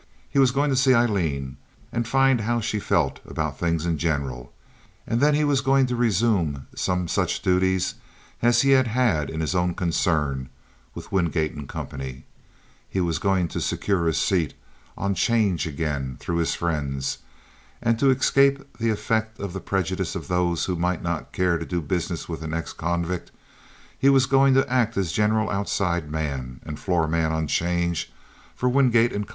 He was going to see Aileen, and find how she felt about things in general, and then he was going to resume some such duties as he had had in his own concern, with Wingate & Co. He was going to secure a seat on 'change again, through his friends; and, to escape the effect of the prejudice of those who might not care to do business with an ex convict, he was going to act as general outside man, and floor man on 'charge, for Wingate & Co.